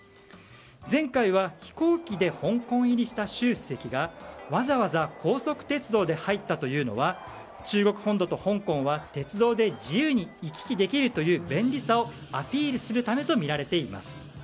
前回は飛行機で香港入りした習主席がわざわざ高速鉄道で入ったというのは中国本土と香港は鉄道で自由に行き来できるという便利さをアピールするためとみられています。